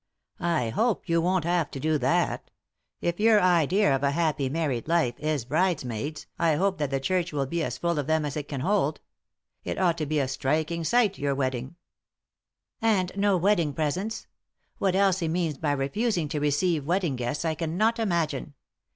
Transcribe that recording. " I hope yon won't have to do that If your idea of a happy married life is bridesmaids I hope that the church will be as full of them as it can hold. It ought to be a striking sight, your wedding." 390 ;«y?e.c.V GOOglC THE INTERRUPTED KISS "And no wedding presents! What Elsie means by re fusing to receive wedding presents I cannot imagine.